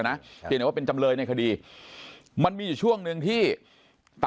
แล้วไปปล่อยทิ้งเอาไว้จนเด็กเนี่ย